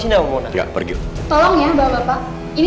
biar biar dia pergi biar gue yakin